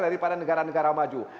daripada negara negara maju